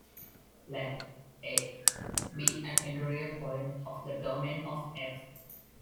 Let "a" be an interior point of the domain of "f".